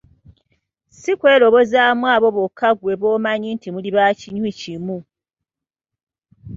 Si kwerobozaamu abo bokka ggwe b'omanyi nti muli bakinywi kimu.